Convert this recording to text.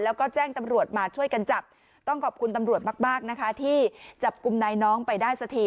แล้วก็แจ้งตำรวจมาช่วยกันจับต้องขอบคุณตำรวจมากมากนะคะที่จับกลุ่มนายน้องไปได้สักที